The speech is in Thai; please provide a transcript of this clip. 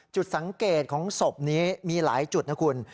จุดสังเกตของศพนี้มีหลายจุดนะคุณ